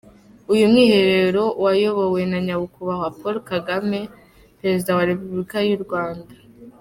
Uyu Mwiherero wayobowe na Nyakubahwa Paul Kagame, Perezida wa Repubulika y’u Rwanda.